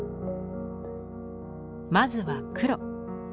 まずは「黒」。